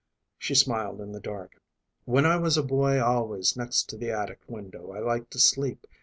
She smiled in the dark. "When I was a boy always next to the attic window I liked to sleep.